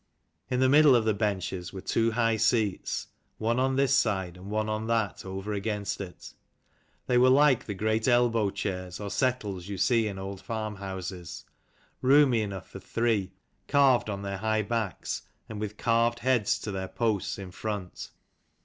In the middle of the benches were two high seats, one on this side and one on that over against it. They were like the great elbow chairs or settles you see in old farm houses ; roomy enough for three, carved on their high backs, and with carved heads to their posts in front.